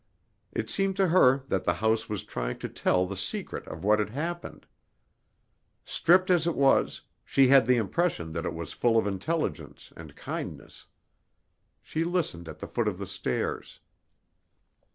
It seemed to her that the house was trying to tell the secret of what had happened. Stripped as it was, she had the impression that it was full of intelligence and kindness. She listened at the foot of the stairs.